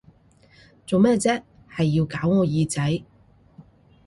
做咩啫，係要搞我耳仔！